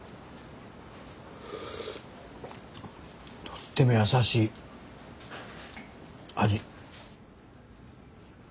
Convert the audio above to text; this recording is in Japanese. とっても優しい味。